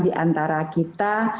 di antara kita